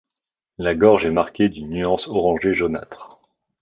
La gorge est marquée d'une nuance orangé jaunâtre.